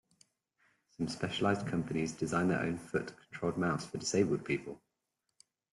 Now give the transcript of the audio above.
Some specialized companies design their own foot controlled mouse for disabled people.